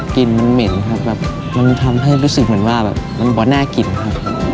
กลิ่นมันเหม็นครับมันทำให้รู้สึกเหมือนว่ามันบอกว่าน่ากลิ่นค่ะ